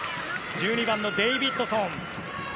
１２番のデイビッドソン。